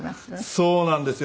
そうなんですよ。